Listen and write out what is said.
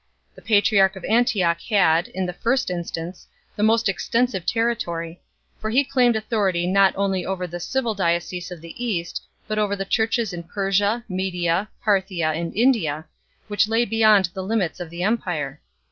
The patriarch of Antioch had, in the first instance, the most extensive territory, for he claimed authority not only over the civil diocese of the East, but over the Churches in Persia, Media, Parthia, and India, which lay beyond the limits of the empire.